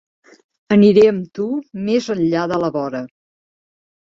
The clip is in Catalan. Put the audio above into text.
Aniré amb tu més enllà de la vora.